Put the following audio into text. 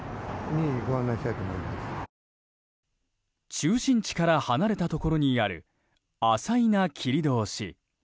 中心地から離れたところにある朝夷奈切通。